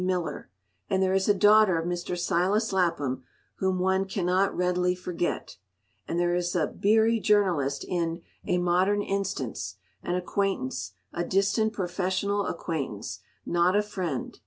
Miller—and there is a daughter of Mr. Silas Lapham whom one cannot readily forget, and there is a beery journalist in a "Modern Instance," an acquaintance, a distant professional acquaintance, not a friend.